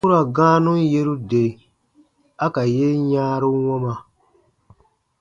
A ku ra gãanun yeru de a ka yen yãaru wuma.